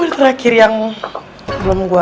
terakhir yang belum gue